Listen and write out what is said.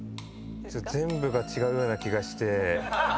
全部が違うような気がして。